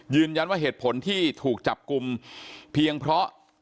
ยืนยันว่าเหตุผลที่ถูกจับกลุ่มเพียงเพราะ